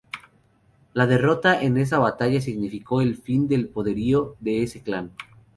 La derrota en esa batalla significó el fin del poderío de ese clan.